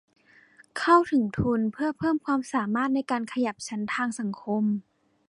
เข้าถึงทุนเพื่อเพิ่มความสามารถในการขยับชั้นทางสังคม